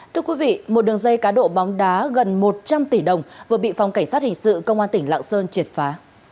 thưa quý vị một đường dây cá độ bóng đá gần một trăm linh tỷ đồng vừa bị phòng cảnh sát hình sự công an tỉnh lạng sơn triệt phá